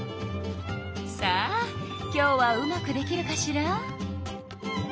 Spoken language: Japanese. さあ今日はうまくできるかしら？